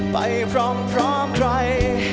ไปพร้อมพร้อมใคร